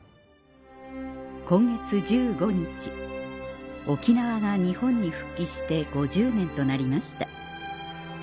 今月１５日沖縄が日本に復帰して５０年となりました